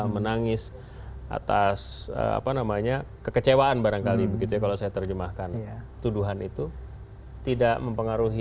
menangis atas apa namanya kekecewaan barangkali begitu ya kalau saya terjemahkan tuduhan itu tidak mempengaruhi